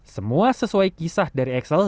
semua sesuai kisah dari axel